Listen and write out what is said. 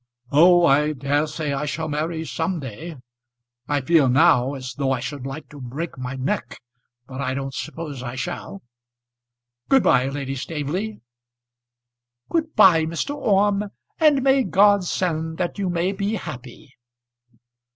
"Oh, I dare say I shall marry some day. I feel now as though I should like to break my neck, but I don't suppose I shall. Good bye, Lady Staveley." "Good bye, Mr. Orme; and may God send that you may be happy."